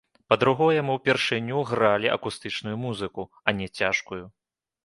Па-другое, мы ўпершыню гралі акустычную музыку, а не цяжкую.